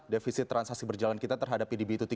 defisit transaksi berjalan kita terhadap pdb dua